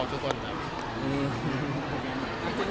จริงงานปีนี้มีอะไรให้ติดตามอีกบ้างครับ